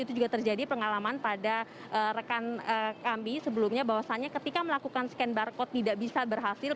itu juga terjadi pengalaman pada rekan kami sebelumnya bahwasannya ketika melakukan scan barcode tidak bisa berhasil